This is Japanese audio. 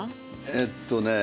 えっとね